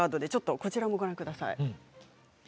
こちらをご覧ください。